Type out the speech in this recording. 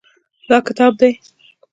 دا کتاب دی.